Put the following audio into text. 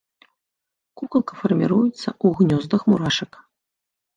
Кукалка фарміруецца ў гнёздах мурашак.